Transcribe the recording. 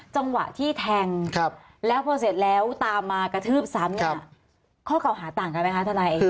จังหวะที่แทงแล้วพอเสร็จแล้วตามมากระทืบซ้ำเนี่ยข้อเก่าหาต่างกันไหมคะทนาย